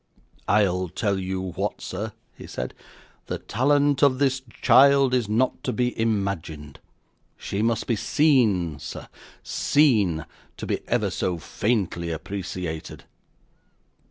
'I'll tell you what, sir,' he said; 'the talent of this child is not to be imagined. She must be seen, sir seen to be ever so faintly appreciated.